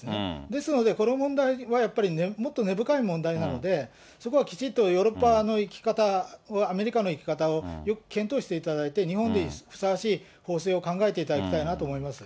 ですのでこの問題はやっぱり、もっと根深い問題なんで、そこはきちっとヨーロッパのいき方、アメリカのいき方をよく検討していただいて、日本にふさわしい法制を考えていただきたいなと思います。